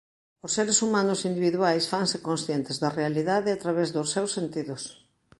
Os seres humanos individuais fanse conscientes da realidade a través dos seus sentidos.